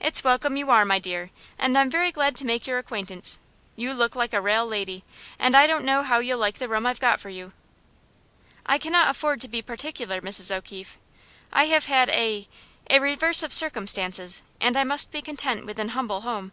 "It's welcome you are, my dear, and I'm very glad to make your acquaintance. You look like a rale leddy, and I don't know how you'll like the room I've got for you." "I cannot afford to be particular, Mrs. O'Keefe. I have had a a reverse of circumstances, and I must be content with an humble home."